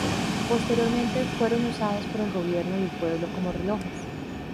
Posteriormente fueron usados por el gobierno y el pueblo como relojes.